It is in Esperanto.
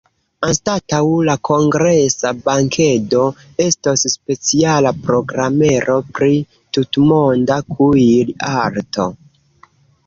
Anstataŭ la kongresa bankedo, estos speciala programero pri tutmonda kuir-arto.